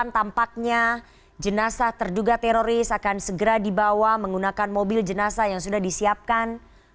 tampaknya jenazah terduga teroris akan segera dibawa menggunakan mobil jenazah yang sudah disiapkan